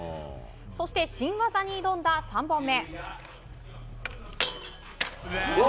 そして新技に挑んだ３本目。